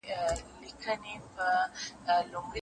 د دروازې له ښورېدو سره سړه سي خونه